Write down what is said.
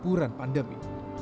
di lapuran pandemi